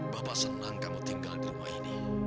bapak senang kamu tinggal di rumah ini